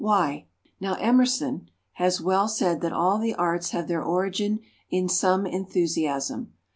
Why? Now, Emerson has well said that all the arts have their origin in some enthusiasm.